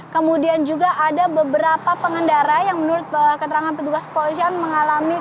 kemudian juga ada beberapa pengendara yang menurut keterangan petugas kepolisian mengalami